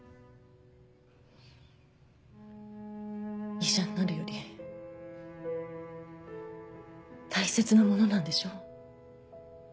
医者になるより大切なものなんでしょ？